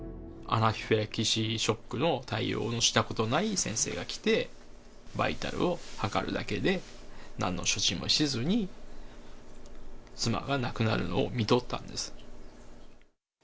アナフィラキシーショックの対応をしたことがない先生が来て、バイタルを測るだけで、なんの処置もせずに妻が亡くなるのを見とったんです。